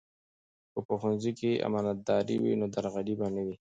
که په ښوونځي کې امانتداري وي نو درغلي به نه وي.